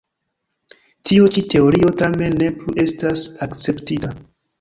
Tio ĉi teorio, tamen, ne plu estas akceptita.